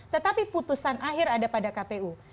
tetapi putusan akhir ada pada kpu